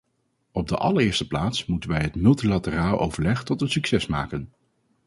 Op de allereerste plaats moeten wij het multilateraal overleg tot een succes maken.